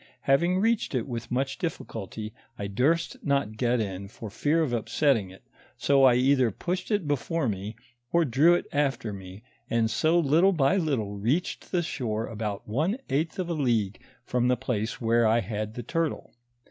Having reached it with much difficulty, I duret not get in for fear of upsetting it, so I either pushed it before me, or drew it after me, and so little by little reached the shore about one eighth of a league from the place where I had the turtle.